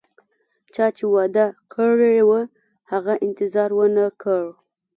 چا چې وعده کړي وه، هغه انتظار ونه کړ